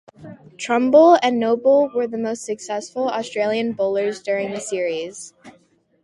Trumble and Noble were the most successful Australian bowlers during the series.